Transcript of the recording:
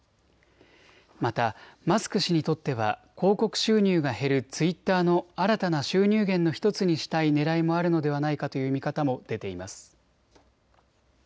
またマスク氏にとっては広告収入が減るツイッターの新たな収入源の１つにしたいねらいもあるのではないかという見方も出ています。